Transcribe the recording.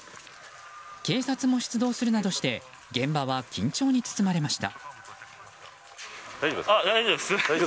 警察も出動するなどして現場は緊張に包まれました。